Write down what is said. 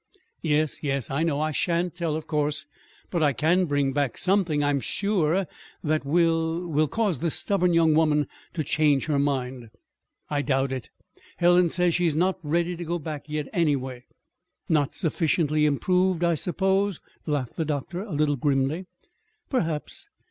"Yes, yes, I know. I shan't tell, of course. But I can bring back something, I'm sure, that will will cause this stubborn young woman to change her mind." "I doubt it. Helen says she's not ready to go back yet, anyway." "Not sufficiently 'improved,' I suppose," laughed the doctor, a little grimly. "Perhaps.